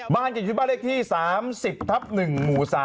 บ้านเจอชุดบ้านเลขที่๓๐ทับ๑หมู่๓